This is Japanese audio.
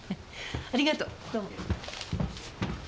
ありがとうどうも。